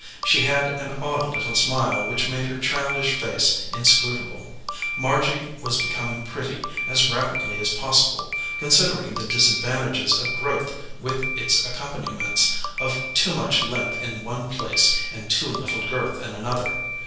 She had an odd little smile which made her childish face inscrutable. Margy was becom ing pretty as rapidly as possible, considering the disadvantages of growth with its accompaniments of too much length in one place, and too little girth in another.